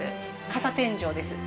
傘天井です。